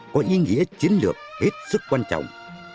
có ý nghĩa chiến lược hết sức quan trọng